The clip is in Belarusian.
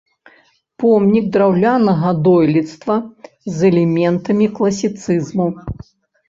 Помнік драўлянага дойлідства з элементамі класіцызму.